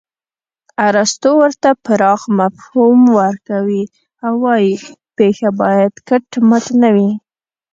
ارستو ورته پراخ مفهوم ورکوي او وايي پېښه باید کټ مټ نه وي